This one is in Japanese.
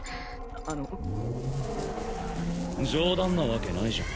あの冗談なわけないじゃん